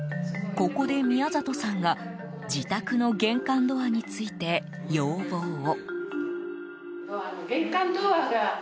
ここで宮里さんが自宅の玄関ドアについて要望を。